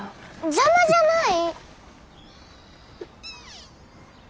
邪魔じゃない！